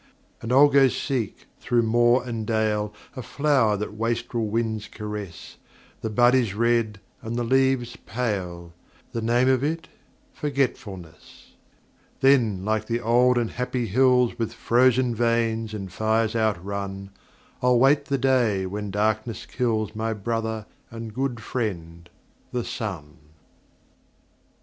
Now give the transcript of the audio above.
And I'll go seek through moor and dale A flower that wastrel winds caress ; The bud is red and the leaves pale, The name of it Forgetfulness. Then like the old and happy hills With frozen veins and fires outrun, I'll wait the day when darkness kills My brother and good friend, the Sun.